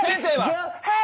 はい。